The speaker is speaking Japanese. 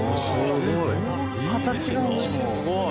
すごい！